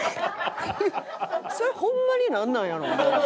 それホンマになんなんやろうな？